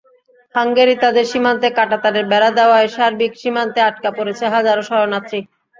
Hungary তাঁদের সীমান্তে কাঁটাতারের বেড়া দেওয়ায় সার্বিয়া সীমান্তে আটকা পড়েছে হাজারো শরণার্থী।